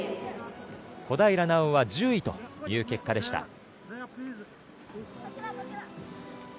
小平奈緒は１０位という結果でした。